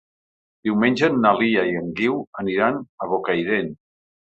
Diumenge na Lia i en Guiu aniran a Bocairent.